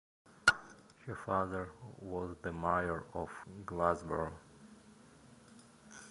Her father was the mayor of Glassboro.